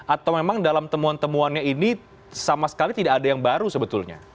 atau memang dalam temuan temuannya ini sama sekali tidak ada yang baru sebetulnya